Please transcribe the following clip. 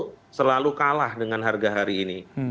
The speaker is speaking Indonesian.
itu selalu kalah dengan harga hari ini